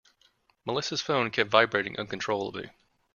Melissa's phone kept vibrating uncontrollably.